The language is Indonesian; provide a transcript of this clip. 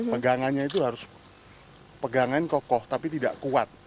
pegangannya itu harus pegangan kokoh tapi tidak kuat